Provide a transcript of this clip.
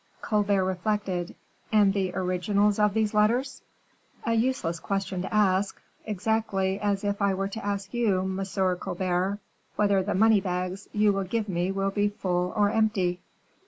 Colbert reflected. "And the originals of these letters?" "A useless question to ask; exactly as if I were to ask you, Monsieur Colbert, whether the money bags you will give me will be full or empty."